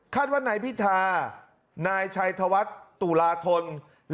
คาดว่านายพิธานายชัยธวัฒน์ตุราธนตร์